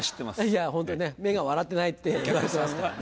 いやホントね「目が笑ってない」って言われてますからね。